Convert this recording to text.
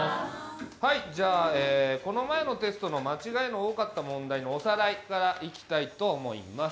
はいじゃあこの前のテストの間違いの多かった問題のおさらいからいきたいと思います